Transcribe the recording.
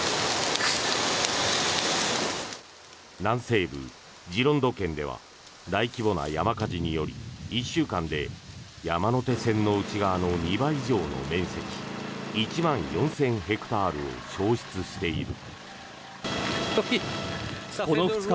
南西部ジロンド県では大規模な山火事により１週間で山手線の内側の２倍以上の面積１万４０００ヘクタールを焼失している。